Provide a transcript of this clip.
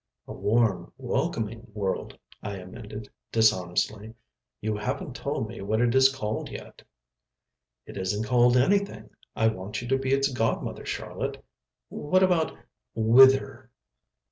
"A warm, welcoming world," I amended dishonestly. "You haven't told me what it is called yet." "It isn't called anything. I want you to be its god mother, Charlotte. What about 'Whither'?"